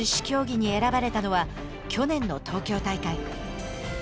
競技に選ばれたのは去年の東京大会。